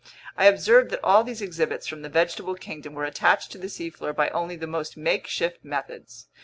I observed that all these exhibits from the vegetable kingdom were attached to the seafloor by only the most makeshift methods.